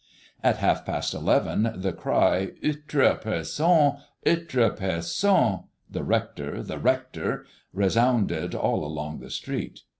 At half past eleven the cry, "Eutru Person! Eutru Person!" ("The rector! The rector!") resounded all along the street.